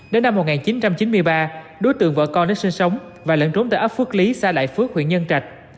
đến năm một nghìn chín trăm chín mươi ba đối tượng vợ con đã sinh sống và lẫn trốn tại ấp phước lý xã đại phước huyện nhân trạch